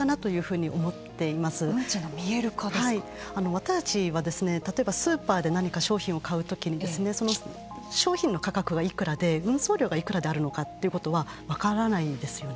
私たちは例えばスーパーで何か商品を買う時にその商品の価格がいくらで運送料がいくらであるのかということは分からないですよね。